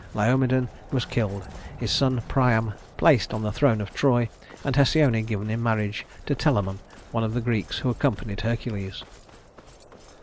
Laomedon was killed, his son Priam placed on the throne of Troy, and Hesione given in marriage to Telamon, one of the Greeks who accompanied Hercules.